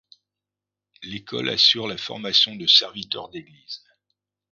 L'école assure la formation de serviteurs d'église.